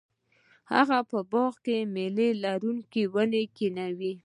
هغه په باغ کې میوه لرونکې ونې کینولې.